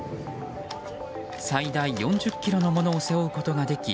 最大４０ｋｇのものを背負うことができ